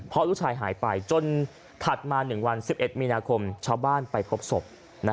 เพราะลูกชายหายไปจนถัดมา๑วัน๑๑มีนาคมชาวบ้านไปพบศพ